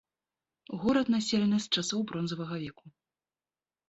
Горад населены з часоў бронзавага веку.